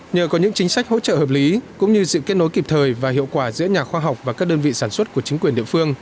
nhờ có những chính sách hỗ trợ hợp lý cũng như sự kết nối kịp thời và hiệu quả giữa nhà khoa học và các đơn vị sản xuất của chính quyền địa phương